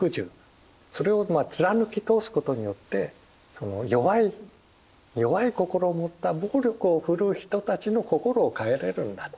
それを貫き通すことによってその弱い弱い心を持った暴力を振るう人たちの心を変えれるんだと。